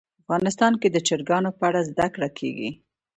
افغانستان کې د چرګانو په اړه زده کړه کېږي.